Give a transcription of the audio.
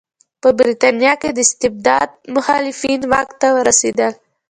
په برېټانیا کې د استبداد مخالفین واک ته ورسېدل.